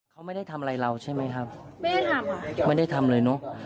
เขาไม่ได้ทำอะไรเราใช่ไหมครับไม่ได้ทำไม่ได้ทำเลยเนอะ